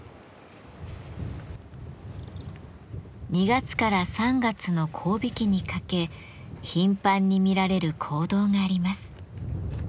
２月から３月の交尾期にかけ頻繁に見られる行動があります。